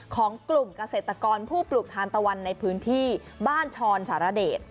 ของกลุ่มเกษตรกรผู้ปลูกทานตะวันในพื้นที่บ้านชรสารเดช